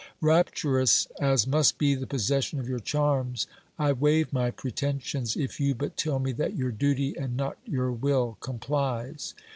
Rapturous as must be the possession of your charms, I waive my pretensions if you but tell me that your duty and not your will complies.